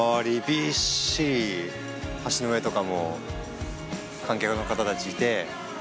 びっしり橋の上とかも観客の方たちいて。